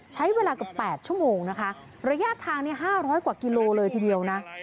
ใช้เวลากว่า๘ชั่วโมงนะคะระยะทางนี้๕๐๐กว่ากิโลเลยทีเดียวนะ